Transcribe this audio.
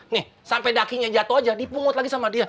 nih sampai dakinya jatuh aja dipungut lagi sama dia